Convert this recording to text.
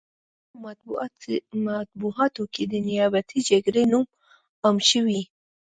په نړیوالو مطبوعاتو کې د نیابتي جګړې نوم عام شوی.